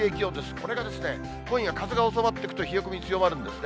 これが、今夜風が収まっていくと冷え込み強まるんですね。